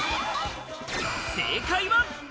正解は。